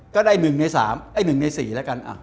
ก็ได้๑ใน๔แล้วกัน